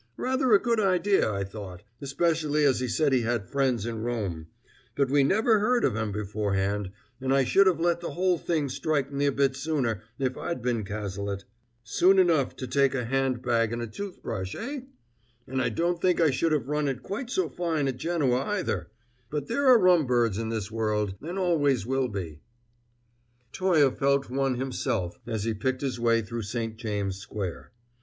Rather a good idea, I thought, especially as he said he had friends in Rome; but we never heard of 'em beforehand, and I should have let the whole thing strike me a bit sooner if I'd been Cazalet. Soon enough to take a hand bag and a tooth brush, eh? And I don't think I should have run it quite so fine at Genoa, either. But there are rum birds in this world, and always will be!" Toye felt one himself as he picked his way through St. James' Square.